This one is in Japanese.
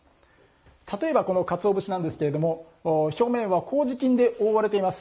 例えばこのかつお節なんですけれども表面はこうじ菌で覆われています。